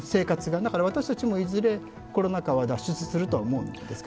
だから私たちもいずれコロナ禍は脱出するとは思うんですけど。